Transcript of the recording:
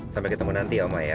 sampai ketemu nanti ya oma ya